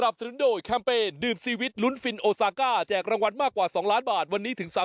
โปรดติดตามตอนต่อไป